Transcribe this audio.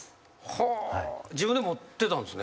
はあ自分で持ってたんですね。